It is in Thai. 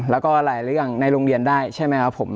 แล้วก็หลายเรื่องในโรงเรียนได้ใช่ไหมครับผม